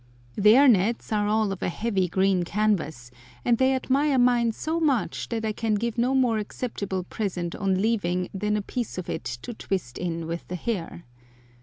Their nets are all of a heavy green canvas, and they admire mine so much, that I can give no more acceptable present on leaving than a piece of it to twist in with the hair.